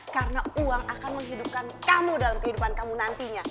karena uang akan menghidupkan kamu dalam kehidupan kamu nantinya